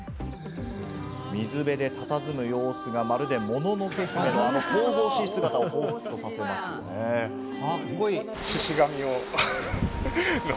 水辺でたたずむ様子がまるで『もののけ姫』のあの神々しい姿をほカッコいい。